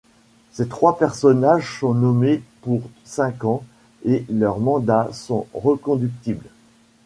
Ces trois personnages sont nommés pour cinq ans et leurs mandats sont reconductibles.